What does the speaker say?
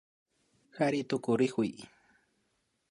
Kari tukuyrikuy